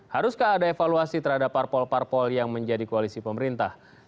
haruskah ada evaluasi terhadap parpol parpol yang menjadi koalisi pemerintah